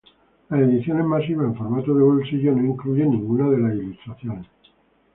Las ediciones masivas en formato de bolsillo no incluyen ninguna de las ilustraciones.